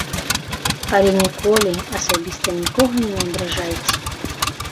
Але ніколі асабіста нікога не абражайце.